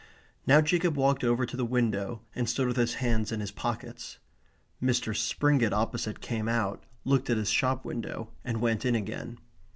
Now Jacob walked over to the window and stood with his hands in his pockets. Mr. Springett opposite came out, looked at his shop window, and went in again.